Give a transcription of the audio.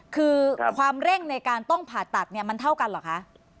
คือความเร่งในการต้องผ่าตัดเนี่ยมันเท่ากันเหรอคะ